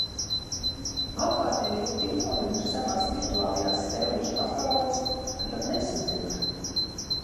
Apkārtējie ir tik nogrimuši savās virtuālajās spēlīšu pasaulēs, ka pat nesadzird...